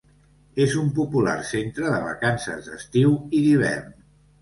És un popular centre de vacances d'estiu i d'hivern.